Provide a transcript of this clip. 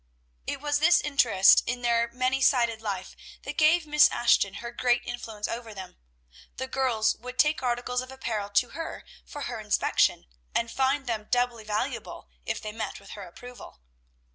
It was this interest in their many sided life that gave Miss Ashton her great influence over them. The girls would take articles of apparel to her for her inspection, and find them doubly valuable if they met with her approval.